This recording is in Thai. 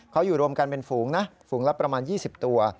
เขาอยู่รวมกันเป็นฝูงนะฝูงละประมาณ๒๐ตัว